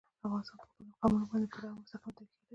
افغانستان په خپلو قومونه باندې پوره او مستقیمه تکیه لري.